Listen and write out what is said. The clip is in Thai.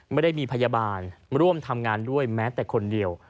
ไม่ได้มีพยาบาลร่วมทำงานด้วยแม้แต่คนเดียว